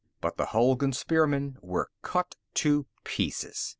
But the Hulgun spearmen were cut to pieces.